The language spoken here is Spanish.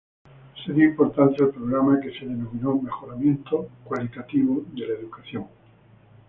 Se dio importancia al programa que se denominó Mejoramiento Cualitativo de la Educación.